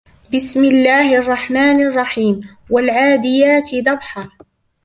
بسم الله الرحمن الرحيم والعاديات ضبحا